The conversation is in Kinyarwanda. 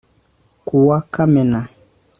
ku wa kamena